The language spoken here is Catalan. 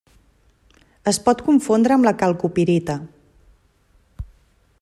Es pot confondre amb la calcopirita.